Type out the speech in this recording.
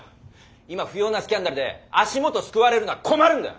今不要なスキャンダルで足元すくわれるのは困るんだよ！